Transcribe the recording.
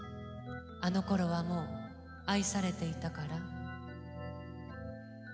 あの頃はもう愛されていたから？